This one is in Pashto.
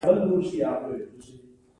ټوکر د خیاط لپاره د کار موضوع ګڼل کیږي.